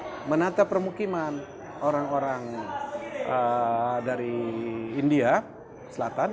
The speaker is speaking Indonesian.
belanda menata menata permukiman orang orang dari india selatan